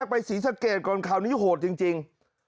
นี้ไปสีสะเกดก่อนข้าวนี่โหดจริง